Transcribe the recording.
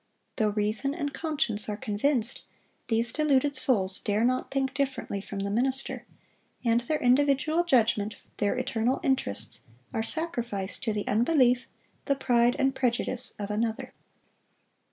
Though reason and conscience are convinced, these deluded souls dare not think differently from the minister; and their individual judgment, their eternal interests, are sacrificed to the unbelief, the pride and prejudice, of another.